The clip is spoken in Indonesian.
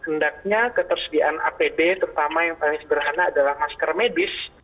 hendaknya ketersediaan apd terutama yang paling sederhana adalah masker medis